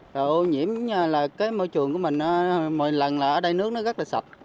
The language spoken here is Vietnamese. rồi ô nhiễm là cái môi trường của mình mỗi lần là ở đây nước nó rất là sạch